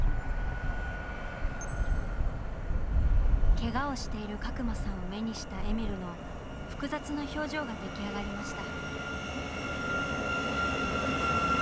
ケガをしている角間さんを目にしたえみるの複雑な表情が出来上がりました。